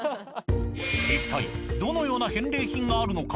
一体どのような返礼品があるのか？